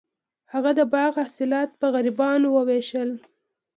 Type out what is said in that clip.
هغه د باغ حاصلات په غریبانو ویشل.